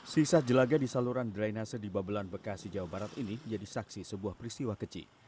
sisa jelaga di saluran drainase di babelan bekasi jawa barat ini menjadi saksi sebuah peristiwa kecil